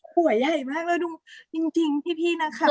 หัวใหญ่มากแล้วดูจริงพี่นะคะ